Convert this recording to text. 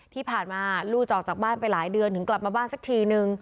ที่ผ่านมาลูกจะออกจากบ้านไปหลายเดือนถึงกลับมาบ้านสักทีนึง